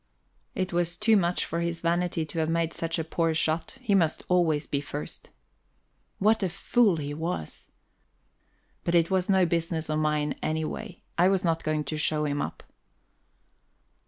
It was too much for his vanity to have made such a poor shot; he must always be first. What a fool he was! But it was no business of mine, anyway. I was not going to show him up.